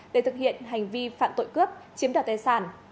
để thực hiện hành vi phạm tội cướp chiếm đoạt tài sản